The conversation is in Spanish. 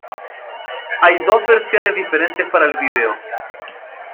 Hay dos versiones diferentes para el vídeo.